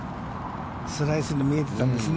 スライスに見えてたんですね。